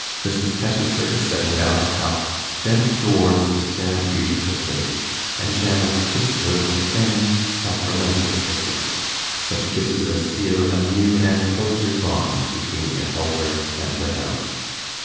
Mrs. Pettifer, setting down the cup, bent towards the sad beautiful face, and Janet kissed her with earnest sacramental kisses such kisses as seal a new and closer bond between the helper and the helped.